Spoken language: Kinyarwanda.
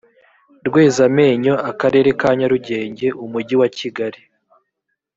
rwezamenyo akarere ka nyarugenge umujyi wa kigali